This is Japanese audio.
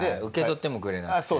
受け取ってもくれない？